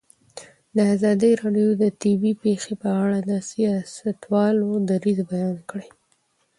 ازادي راډیو د طبیعي پېښې په اړه د سیاستوالو دریځ بیان کړی.